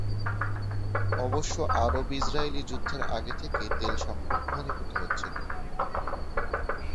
অবশ্য আরব-ইসরায়েলী যুদ্ধের আগে থেকেই তেল সংকট ঘনীভূত হচ্ছিলো।